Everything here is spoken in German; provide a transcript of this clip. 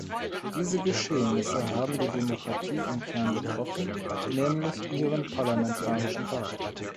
Diese Geschehnisse haben die Demokratie im Kern getroffen, nämlich ihren parlamentarischen Charakter.